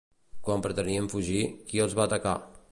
Quan pretenien fugir, qui els va atacar?